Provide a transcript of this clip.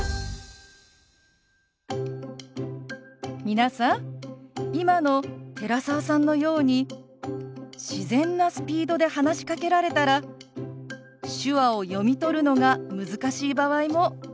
皆さん今の寺澤さんのように自然なスピードで話しかけられたら手話を読み取るのが難しい場合もありますよね。